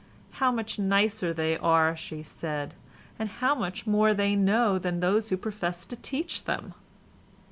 "How much nicer they are," she said, "and how much more they know than those who profess to teach them!"